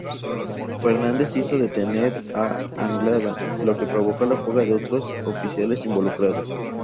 Fernández hizo detener a Anglada, lo que provocó la fuga de otros oficiales involucrados.